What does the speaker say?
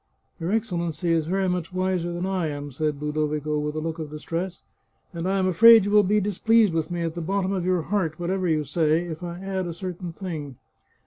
" Your Excellency is very much wiser than I am," said Ludovico, with a look of distress, " and I am afraid you will be displeased with me at the bottom of your heart, what ever you may say, if I add a certain thing."